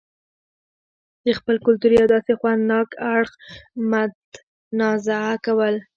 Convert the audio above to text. دخپل کلتور يو داسې خوند ناک اړخ متنازعه کول